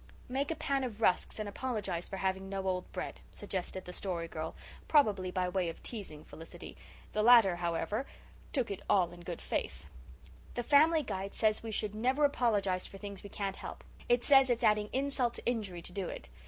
"Make a pan of rusks and apologize for having no old bread," suggested the Story Girl, probably by way of teasing Felicity. The latter, however, took it in all good faith. "The Family Guide says we should never apologize for things we can't help. It says it's adding insult to injury to do it.